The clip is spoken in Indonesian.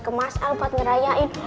ke mas al fad ngerayain